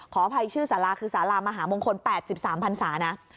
ขออภัยชื่อสาราคือสารามหามงคล๘๓พันศานะ